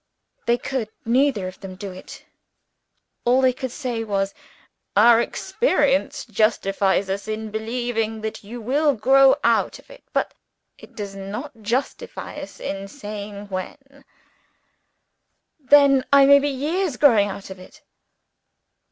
They could neither of them do it. All they could say was, 'Our experience justifies us in believing that you will grow out of it; but it does not justify us in saying when.' 'Then, I may be years growing out of it?'